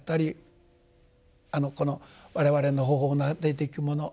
この我々の頬をなでていくもの